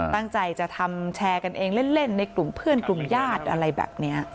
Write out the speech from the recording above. ตั้งใจจะทำแชร์กันเองเล่นในกลุ่มเพื่อนกลุ่มญาติอะไรแบบนี้